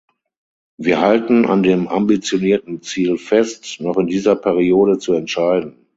Wir halten an dem ambitionierten Ziel fest, noch in dieser Periode zu entscheiden.